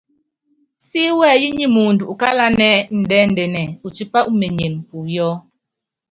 Si wɛyí nyi muundɔ ukálanɛ́ ndɛ́ndɛ́nɛ, utipá umenyene puyɔ́.